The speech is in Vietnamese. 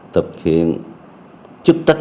thực hiện chức trách